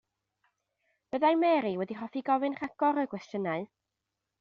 Byddai Mary wedi hoffi gofyn rhagor o gwestiynau.